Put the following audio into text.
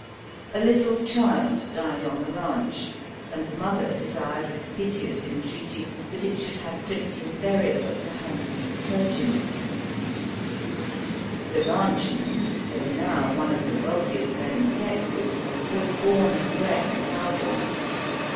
A little child Digitized by VjOOQIC 60 EAST BY WEST. died on the ranche, and the mother desired with piteous entreaty that it should have Christian burial at the hands of the clergy man. The rancheman, though now one of the wealthiest men in Texas, was born and bred a cowboy.